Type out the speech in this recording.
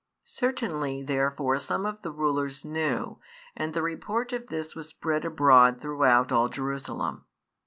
Certainly therefore some of the rulers knew, and the report of this was spread abroad throughout all Jerusalem.